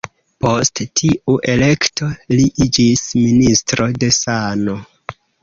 Post tiu elekto, li iĝis Ministro de sano.